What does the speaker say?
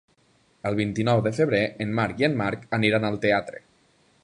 El vint-i-nou de febrer en Marc i en Marc aniran al teatre.